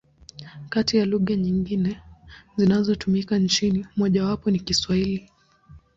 Kati ya lugha nyingine zinazotumika nchini, mojawapo ni Kiswahili.